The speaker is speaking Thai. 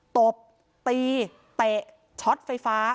ตบตีเตะช็อตไฟฟ้า